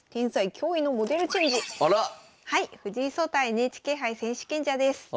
藤井聡太ＮＨＫ杯選手権者です。